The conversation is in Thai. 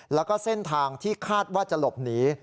แล้วก็เส้นทางที่คาดว่าจะหลบหนี